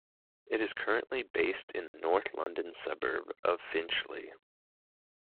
It is currently based in the North London suburb of Finchley.